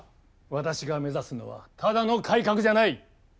私が目指すのはただの改革じゃない。